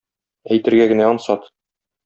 Әйтергә генә ансат.